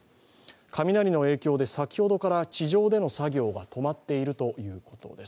雷の影響で先ほどから地上での作業が止まっているということです。